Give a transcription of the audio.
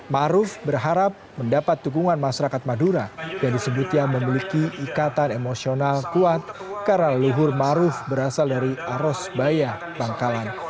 maruf berharap mendapat dukungan masyarakat madura yang disebutnya memiliki ikatan emosional kuat karena leluhur maruf berasal dari arosbaya bangkalan